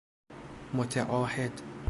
متعاهد